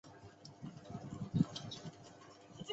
我们买了巴士票